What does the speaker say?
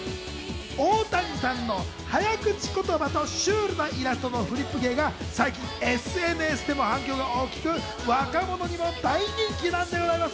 大谷さんの早口言葉とシュールなイラストのフリップ芸は、最近、ＳＮＳでも反響が大きく若者にも大人気なんでございます。